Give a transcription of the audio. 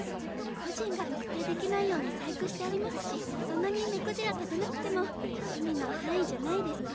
個人が特定できないように細工してありますしそんなに目くじら立てなくても趣味の範囲じゃないですか？